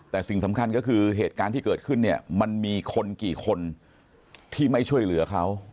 แต่สิ่งสำคัญก็คือเหตุการณ์ที่เกิดขึ้นเนี่ยมันมีคนกี่คนที่ไม่ช่วยเหลือเขา